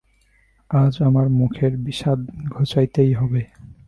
আজ আমার মুখের বিস্বাদ ঘোচাতেই হবে।